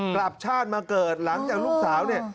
กลับชาติมาเกิดหลังจากลูกสาวเนี่ย